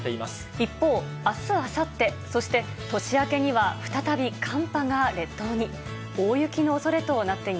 一方、あす、あさって、そして年明けには再び寒波が列島に。